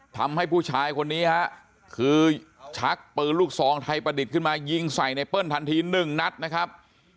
ทำให้ผู้ชายคนนี้ฮะคือชักปืนลูกซองไทยประดิษฐ์ขึ้นมายิงใส่ไนเปิ้ลทันทีหนึ่งนัดนะครับ